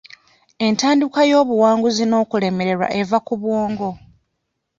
Entandikwa y'obuwanguzi n'okulemererwa eva ku bwongo.